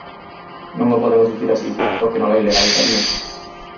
Non o podemos dicir así, porque nola ilegalizarían.